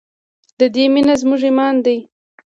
د دې مینه زموږ ایمان دی؟